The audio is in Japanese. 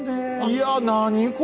いや何これ！